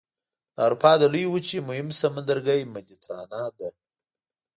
د اروپا د لویې وچې مهم سمندرګی مدیترانه دی.